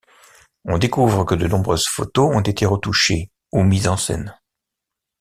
On découvre que de nombreuses photos ont été retouchées ou mises en scène.